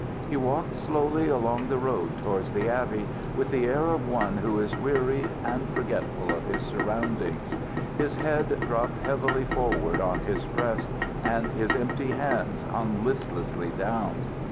He walked slowly along the road towards the abbey, with the air of one who is weary and forgetful of his surroundings. His head dropped heavily forward on his breast, and his empty hands hung listlessly down.